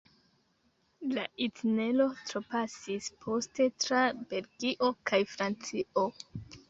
La itinero trapasis poste tra Belgio kaj Francio.